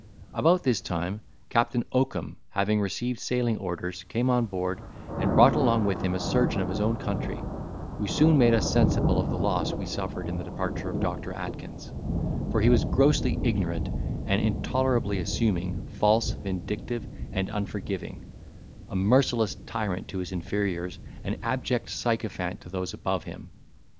About this time, Captain Oakum, having received sailing orders, came on board, and brought along with him a surgeon of his own country, who soon made us sensible of the loss we suffered in the departure of Doctor Atkins; for he was grossly ignorant, and intolerably assuming, false, vindictive, and unforgiving; a merciless tyrant to his inferiors, an abject sycophant to those above him.